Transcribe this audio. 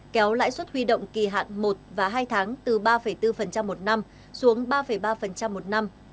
kéo lãi suất huy động kỳ hạn một và hai tháng từ ba bốn một năm xuống ba ba một năm